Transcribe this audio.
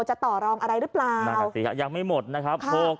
จะต่อรองอะไรหรือเปล่า